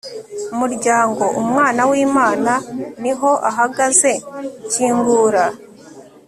muryango, umwana w'imana niho ahagaze, kingura